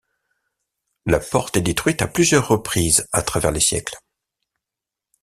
La porte est détruite à plusieurs reprises à travers les siècles.